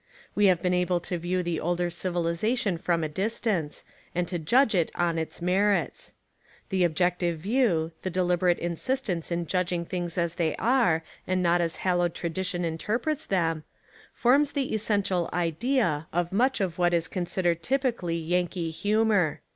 We have been able to view the older civilisation from a distance, and to judge it on its merits. The objective view — the de liberate insistence in judging things as they are, and not as hallowed tradition interprets them — forms the essential "idea" of much of what is considered typically Yankee humour.